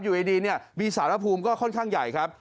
อยู่ดีเนี่ยมีสารภูมิก็ค่อนข้างใหญ่ครับ